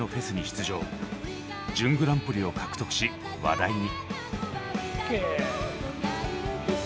準グランプリを獲得し話題に。